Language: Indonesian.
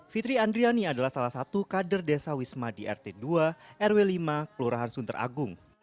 fitri andriani adalah salah satu kader desa wisma di rt dua rw lima kelurahan sunter agung